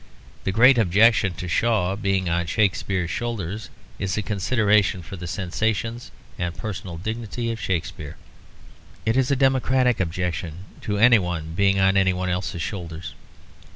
The great objection to Shaw being on Shakespeare's shoulders is a consideration for the sensations and personal dignity of Shakespeare. It is a democratic objection to anyone being on anyone else's shoulders.